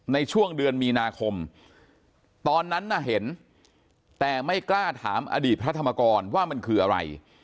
ในช่วงเดือนมีนาคมตอนนั้นน่ะเห็นแต่ไม่กล้าถามอดีตพระธรรมกรว่ามันคืออะไร